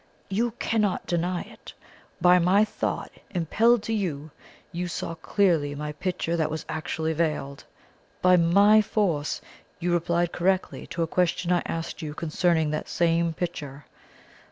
You cannot deny it. By my thought, impelled to you, you saw clearly my picture that was actually veiled. By MY force, you replied correctly to a question I asked you concerning that same picture.